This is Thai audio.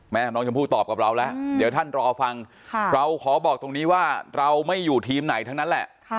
แม่ของน้องชมพู่ตอบกับเราแล้วเดี๋ยวท่านรอฟังเราขอบอกตรงนี้ว่าเราไม่อยู่ทีมไหนทั้งนั้นแหละ